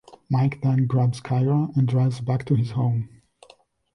Mike then grabs Kyra and drives back to his home.